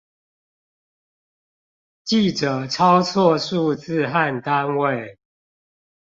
記者抄錯數字和單位